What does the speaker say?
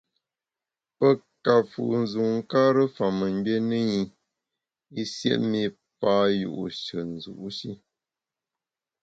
Pe ka fu nzùnkare fa mengbié ne i, i siét mi pa yu’she nzu’ shi.